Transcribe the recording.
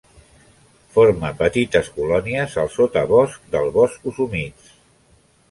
Forma petites colònies al sotabosc dels boscos humits.